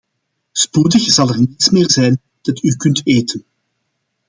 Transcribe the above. Spoedig zal er niets meer zijn dat u kunt eten.